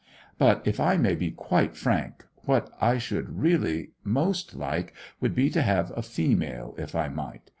But, if I may be quite frank, what I should really most like would be to have a female if I might.